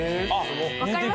わかります？